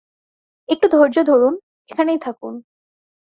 একটু ধৈর্য ধরুন, এখানেই থাকুন।